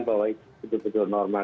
bahwa itu betul betul normal